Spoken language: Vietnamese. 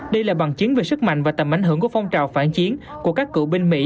đây là bằng chiến về sức mạnh và tầm ảnh hưởng của phong trào phản chiến của các cựu binh mỹ